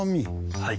はい。